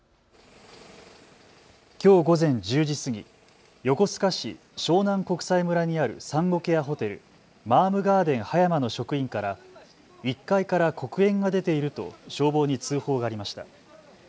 きょう午前１０時過ぎ、横須賀市湘南国際村にある産後ケアホテル、マームガーデン葉山の職員から１階から黒煙が出ていると消防に通報がありました。